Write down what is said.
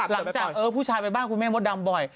หลังจากผู้ชายไปบ้านคุณแม่มดดำบ่อย